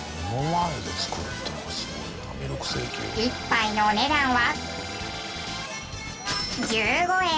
１杯のお値段は１５円！